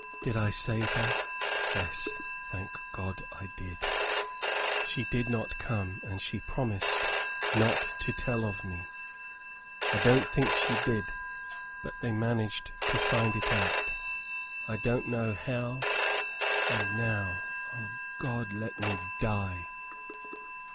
"Did I save her? Yes, thank God, I did. She did not come, and she promised not to tell of me. I don't think she did; but they managed to find it out, I don't know how; and now O God, let me die!"